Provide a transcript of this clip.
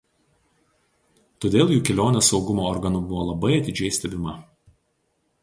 Todėl jų kelionė saugumo organų buvo labai atidžiai stebima.